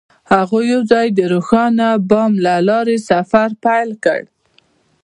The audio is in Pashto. هغوی یوځای د روښانه بام له لارې سفر پیل کړ.